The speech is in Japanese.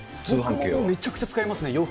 めちゃくちゃ使いますね。